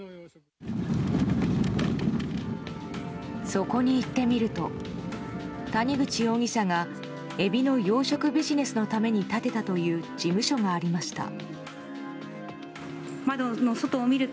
そこに行ってみると谷口容疑者がエビの養殖ビジネスのために建てたという事務所がありました。